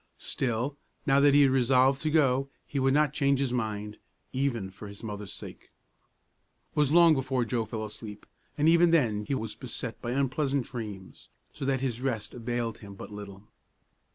Still, now that he had resolved to go, he would not change his mind, even for his mother's sake. It was long before Joe fell asleep, and even then he was beset by unpleasant dreams, so that his rest availed him but little.